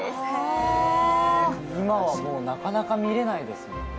あ今はもうなかなか見れないですもんね・